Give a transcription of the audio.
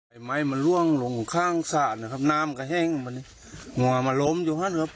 ไอไม้มันร่วงลงข้างซ่านะครับน้ำกระแห้งอันนี้หงวามาล้มอยู่ข้างนั้นครับ